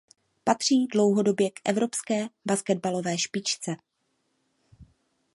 Patří dlouhodobě k evropské baseballové špičce.